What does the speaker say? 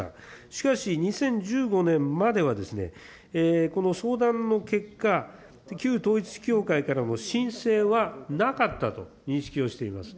しかし、２０１５年までは、この相談の結果、旧統一教会からの申請はなかったと認識をしています。